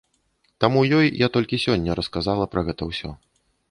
Таму ёй я толькі сёння расказала пра гэта ўсё.